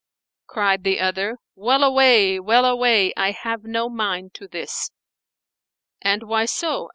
Cried the other, "Well away, well away! I have no mind to this." "And why so?"